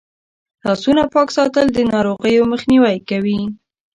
لاسونه پاک ساتل د ناروغیو مخنیوی کوي.